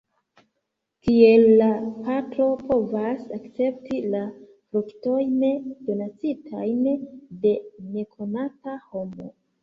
Kiel la patro povos akcepti la fruktojn, donacitajn de nekonata homo.